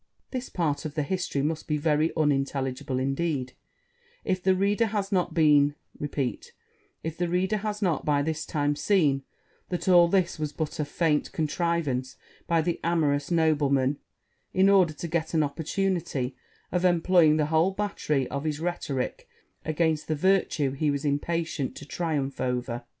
This part of the history must be very unintelligible indeed, if the reader has not by this time seen, that all this was but a feint contrivance by the amorous nobleman, in order to get an opportunity of employing the whole battery of his rhetorick against the virtue he was impatient to triumph over.